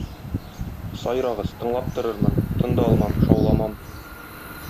Сайрагыз, тыңлап торырмын, тын да алмам, шауламам.